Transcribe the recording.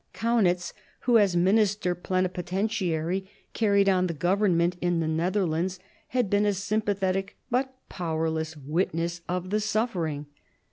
Kaunitz, who as minister plenipotentiary carried on the government in the Netherlands, had been a sympathetic but powerless witness of the suffering.